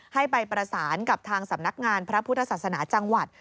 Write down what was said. ให้ไปประสานกับทางสำนักงานพระพุทธศาสนาจังหวัด